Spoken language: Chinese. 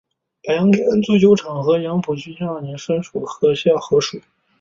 白洋淀足球场与杨浦区青少年业余体育学校足球分校合署。